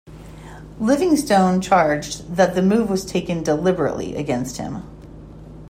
Livingstone charged that the move was taken deliberately against him.